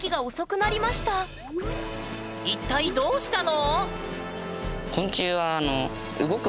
一体どうしたの？